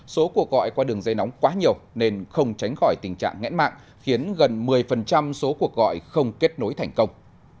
số cuộc gọi qua đường dây nóng quá nhiều nên không tránh khỏi tình trạng nghẽn mạng khiến gần một mươi số cuộc gọi không kết nối thành công